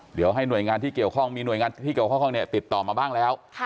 เดี๋ยวให้หน่วยงานที่เกี่ยวข้องมีหน่วยงานที่เกี่ยวข้องติดต่อมาบ้างแล้ว